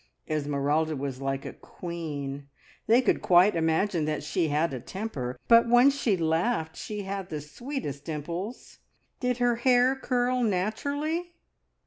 Esmeralda was like a queen; they could quite imagine that she had a temper, but when she laughed she had the sweetest dimples! Did her hair curl naturally?